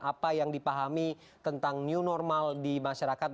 apa yang dipahami tentang new normal di masyarakat